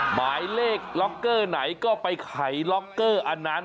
หมายเลขล็อกเกอร์ไหนก็ไปไขล็อกเกอร์อันนั้น